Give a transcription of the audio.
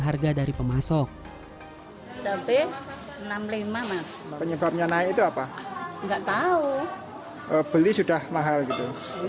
harga dari pemasok tapi enam puluh lima penyebabnya naik itu apa enggak tahu beli sudah mahal gitu